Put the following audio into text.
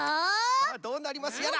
さあどうなりますやら。